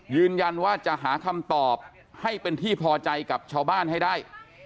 ยืนยันว่าจะหาคำตอบให้เป็นที่พอใจกับชาวบ้านให้ได้